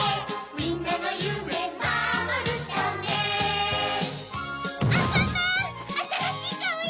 みんなのゆめまもるためアンパンマンあたらしいカオよ！